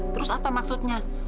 terus apa maksudnya